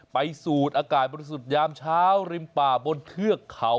สูดอากาศบริสุทธิ์ยามเช้าริมป่าบนเทือกเขา